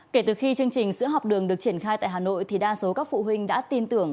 kể từ khi chương trình sữa học đường được triển khai tại hà nội thì đa số các phụ huynh đã tin tưởng